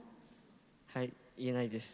はい、言えないです。